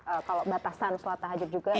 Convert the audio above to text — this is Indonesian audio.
apakah masih boleh sholat tahajud